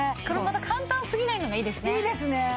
これまた簡単すぎないのがいいですね。